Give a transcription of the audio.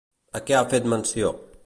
A què ha fet menció?